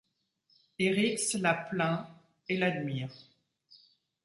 Eryxe la plaint et l'admire.